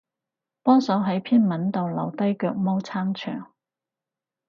幫手喺篇文度留低腳毛撐場